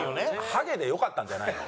「ハゲ」でよかったんじゃないの？